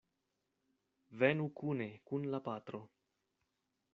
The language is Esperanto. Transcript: Venu kune kun la patro.